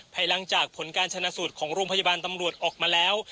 หลังจากผลการชนะสูตรของโรงพยาบาลตำรวจออกมาแล้ว